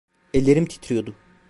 Ellerim titriyordu.